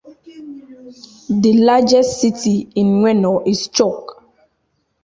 The largest city is Weno in Chuuk.